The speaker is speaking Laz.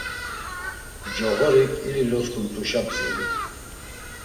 Coğorik ili losǩumt̆uşa bdziri.